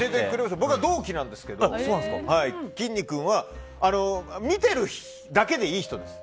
僕、同期なんですけどきんに君は見ているだけでいい人です。